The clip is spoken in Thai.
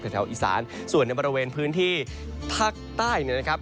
แถวอีสานส่วนในบริเวณพื้นที่ภาคใต้เนี่ยนะครับ